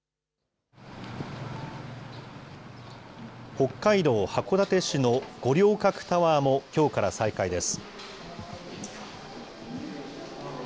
北海道函館市の五稜郭タワーもきょうから再開です。